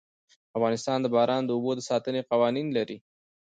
افغانستان د باران د اوبو د ساتنې قوانين لري.